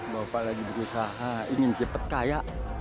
bapak lagi berusaha ingin cepat kaya